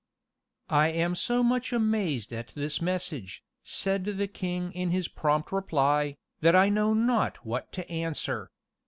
"I am so much amazed at this message," said the king in his prompt reply, "that I know not what to answer.